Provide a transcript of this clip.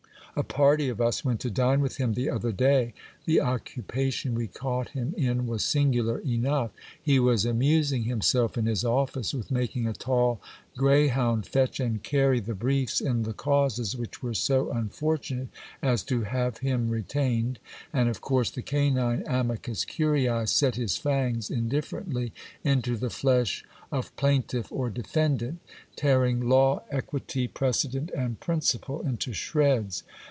A party of us went to dine with him the other day. The occupation we caught him in was singular enough. He was amusing himself in his office with making a tall grey hound fetch and carry the briefs in the causes which were so unfortunate as to have him retained ; and of course the canine amicus curitz set his fangs indifferently into the flesh of plain tiff or defendant, tearing law, equity, precedent, and principle into shreds.